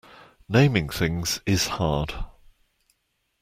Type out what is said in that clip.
Naming things is hard.